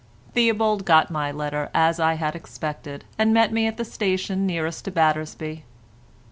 Theobald got my letter as I had expected, and met me at the station nearest to Battersby.